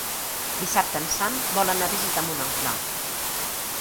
Dissabte en Sam vol anar a visitar mon oncle.